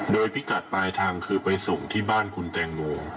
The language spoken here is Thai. โดยพิกัดปลายทางคือไปส่งที่บ้านคุณแตงโม